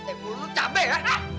eh mulut lo cabai ya